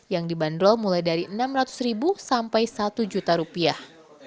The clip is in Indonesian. yang dibanderol mulai dari enam ratus ribu sampai satu juta rupiah